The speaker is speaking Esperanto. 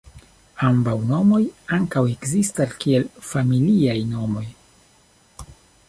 Ambaŭ nomoj ankaŭ ekzistas kiel familiaj nomoj.